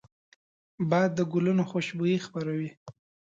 باد د ګلونو خوشبويي خپروي